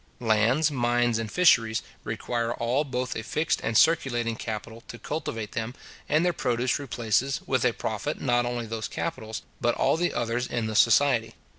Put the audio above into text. Land, mines, and fisheries, require all both a fixed and circulating capital to cultivate them; and their produce replaces, with a profit not only those capitals, but all the others in the society.